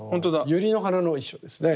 ユリの花の意匠ですね。